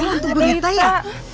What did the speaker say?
ada hantu gurita ya